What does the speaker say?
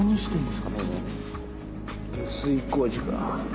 下水工事か。